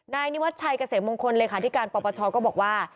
นายนิวัชชัยเกษมมงคลเลขาธิการปปชก็บอกว่า